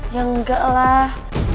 ya enggak lah